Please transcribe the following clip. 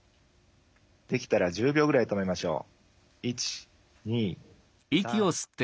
できたら１０秒ぐらい止めましょう。